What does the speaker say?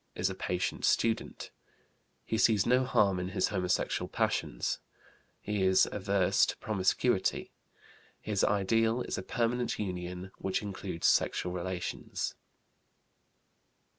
Is a patient student. He sees no harm in his homosexual passions. He is averse to promiscuity. His ideal is a permanent union which includes sexual relations.